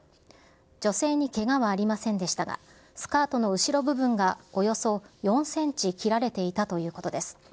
女性にけがはありませんでしたが、スカートの後ろ部分がおよそ４センチ切られていたということです。